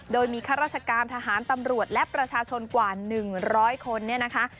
โดยมีข้าราชการทหารตำรวจและประชาชนกว่า๑๐๐คนเนี่ยนะคะ